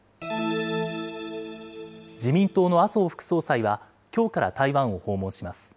自民党の麻生副総裁は、きょうから台湾を訪問します。